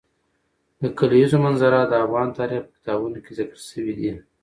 د کلیزو منظره د افغان تاریخ په کتابونو کې ذکر شوی دي.